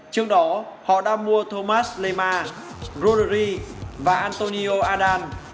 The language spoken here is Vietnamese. trước đó họ đã mua thomas leymar roleri và antonio adan